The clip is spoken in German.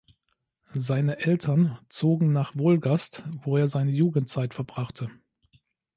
Seine Eltern zogen nach Wolgast, wo er seine Jugendzeit verbrachte.